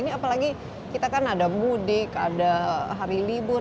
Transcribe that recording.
ini apalagi kita kan ada mudik ada hari libur